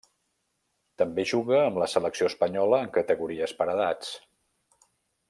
També juga amb la selecció espanyola en categories per edats.